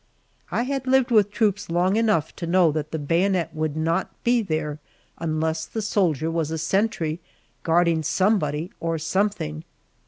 I had lived with troops long enough to know that the bayonet would not be there unless the soldier was a sentry guarding somebody or something.